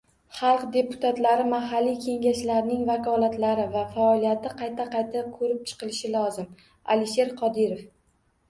“Xalq deputatlari mahalliy Kengashlarining vakolatlari va faoliyati qayta ko‘rib chiqilishi lozim” – Alisher Qodirov